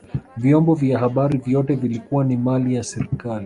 vyombo vya habari vyote vilikuwa ni mali ya serikali